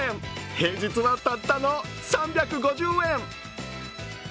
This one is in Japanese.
平日はたったの３５０円。